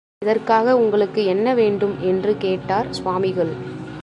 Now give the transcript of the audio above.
இதற்காக உங்களுக்கு என்ன வேண்டும்? என்று கேட்டார் சுவாமிகள்.